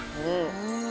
「うん！」